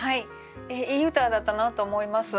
いい歌だったなと思います。